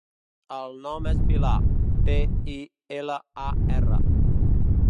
El nom és Pilar: pe, i, ela, a, erra.